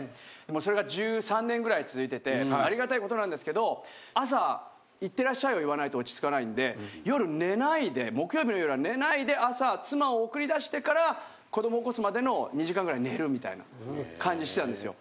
それが１３年ぐらい続いててありがたいことなんですけど朝いってらっしゃいを言わないと落ち着かないんで夜寝ないで木曜日の夜は寝ないで朝妻を送り出してから子ども起こすまでの２時間ぐらい寝るみたいな感じしてたんですよ。